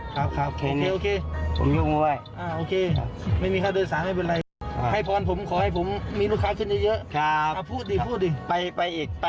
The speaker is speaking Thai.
ขอประโยชน์ให้ดีนะพูดให้แม่